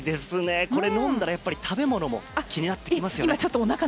これ飲んだら食べ物も気になりますよね。